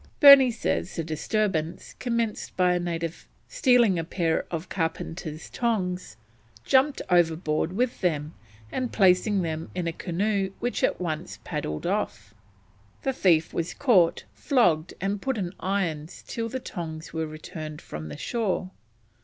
Burney says the disturbance commenced by a native stealing a pair of carpenter's tongs, jumping overboard with them, and placing them in a canoe which at once paddled off. The thief was caught, flogged, and put in irons till the tongs were returned from the shore.